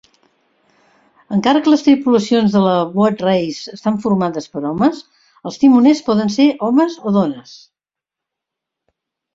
Encara que les tripulacions de la Boat Race estan formades per homes, els timoners poden ser homes o dones.